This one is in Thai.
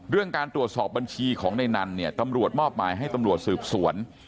เรื่องการตรวจสอบบัญชีของในนั้นเนี่ยตำรวจมอบหมายให้ตำรวจสืบสวน